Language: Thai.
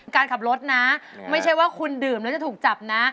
การขับรถนะไม่ใช่ว่าคุณดื่มแล้วจะถูกจับนะ